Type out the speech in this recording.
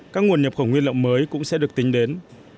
các nguồn nhập khẩu nguyên liệu mới cũng sẽ được tính đến